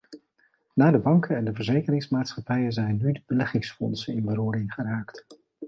Na de banken en de verzekeringsmaatschappijen zijn nu de beleggingsfondsen in beroering geraakt.